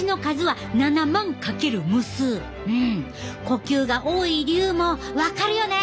呼吸が多い理由も分かるよね。